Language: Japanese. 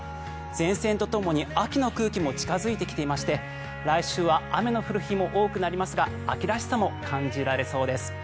前線とともに秋の空気も近付いてきていまして来週は雨の降る日も多くなりますが秋らしさも感じられそうです。